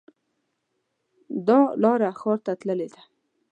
دا لاره ښار ته تللې ده